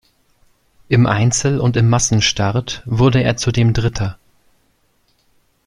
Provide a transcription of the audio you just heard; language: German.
Im Einzel und im Massenstart wurde er zudem Dritter.